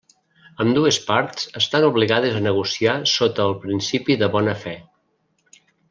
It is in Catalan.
Ambdues parts estan obligades a negociar sota el principi de bona fe.